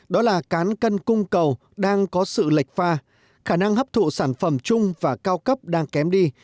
đó là cán cân cung cầu đang có sự lệch pha khả năng hấp thụ sản phẩm chung và cao cấp đang kém đi